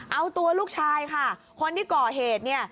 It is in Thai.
เอาตัวลูกชายค่ะคนที่ก่อเหตุเนี่ย